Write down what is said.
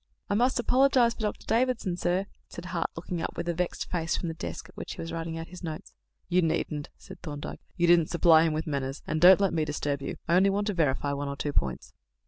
"I must apologize for Dr. Davidson, sir," said Hart, looking up with a vexed face from the desk at which he was writing out his notes. "You needn't," said Thorndyke; "you didn't supply him with manners; and don't let me disturb you. I only want to verify one or two points."